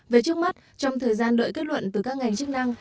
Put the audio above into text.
về trước mắt trong thời gian đợi kết luận từ các ngành chức năng